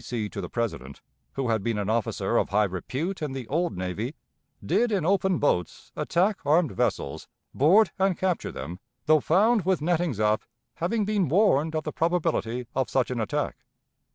D. C. to the President, who had been an officer of high repute in the "old Navy," did in open boats attack armed vessels, board and capture them, though found with nettings up, having been warned of the probability of such an attack.